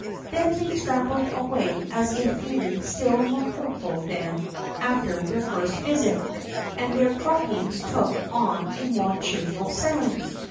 Then they scrambled away as if feeling still more hopeful than after their first visit, and their croakings took on a more cheerful soiind.